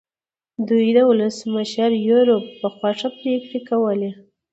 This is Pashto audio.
دوی د ولسمشر یوریب په خوښه پرېکړې کولې.